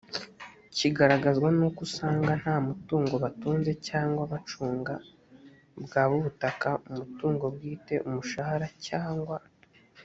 kigaragazwa n uko usanga nta mutungo batunze cyangwa bacunga bwaba ubutaka umutungo bwite umushahara cyangwa